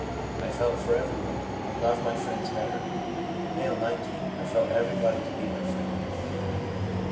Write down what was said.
I felt for everyone, and loved my friends better.' M., 19. ' I felt everybody to be my friend.'